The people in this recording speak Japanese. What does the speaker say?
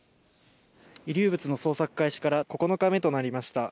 遺留物の捜索開始から９日目となりました。